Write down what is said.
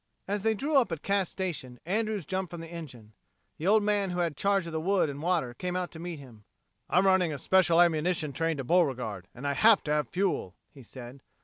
As they drew up at Cass Station Andrews jumped from the engine. The old man who had charge of the wood and water came out to meet him. "I'm running a special ammunition train to Beauregard and I have to have fuel," he said.